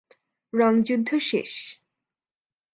রঙ যুদ্ধ শেষ!